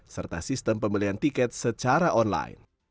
serta sistem pembelian tiket secara online